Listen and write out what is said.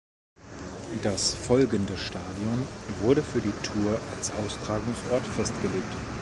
Das folgende Stadion wurde für die Tour als Austragungsort festgelegt.